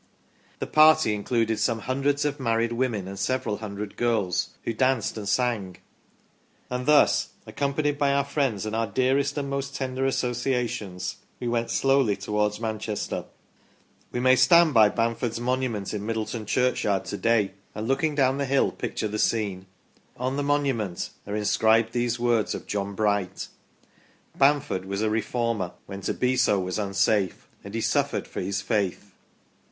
The party included some hundreds of married women and several hundred girls, who danced and sang. " And thus, accompanied by our friends, and our dearest and most tender associations, we went slowly towards Manchester ". We may stand by Bamford's monument in Middleton churchyard to day, and looking down the hill, picture the scene. On the monument are in scribed these words of John Bright :" Bamford was a Reformer when to be so was unsafe, and he suffered for his faith